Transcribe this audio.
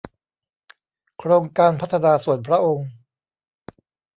โครงการพัฒนาส่วนพระองค์